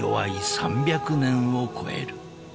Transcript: ３００年を超える］